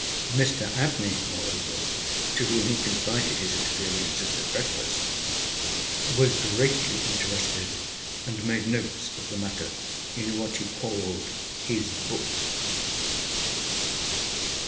Mr Abney, moreover, to whom he confided his experiences at breakfast, was greatly interested, and made notes of the matter in what he called ŌĆ£his bookŌĆØ.